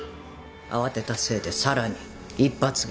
慌てたせいでさらに１発が。